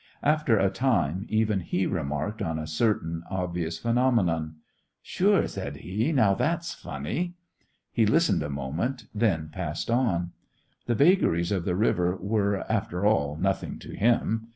After a time even he remarked on a certain obvious phenomenon. "Sure!" said he; "now, that's funny!" He listened a moment, then passed on. The vagaries of the river were, after all, nothing to him.